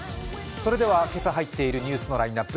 それでは、今朝入っているニュースのラインナップ。